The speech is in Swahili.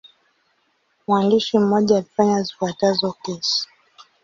Mwandishi mmoja alifanya zifuatazo kesi.